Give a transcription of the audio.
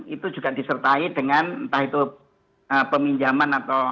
itu juga disertai dengan entah itu peminjaman atau